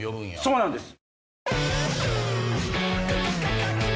そうなんです。